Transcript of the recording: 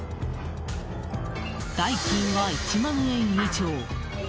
代金は１万円以上。